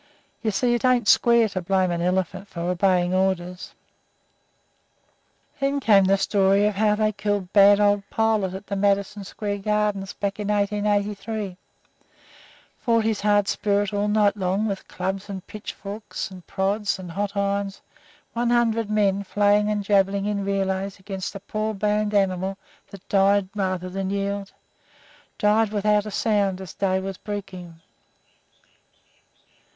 You see, it ain't square to blame an elephant for obeying orders." Then came the story of how they killed bad old Pilot at the Madison Square Garden back in 1883, fought his hard spirit all night long with clubs and pitchforks and prods and hot irons, one hundred men flaying and jabbing in relays against a poor, bound animal that died rather than yield died without a sound as day was breaking.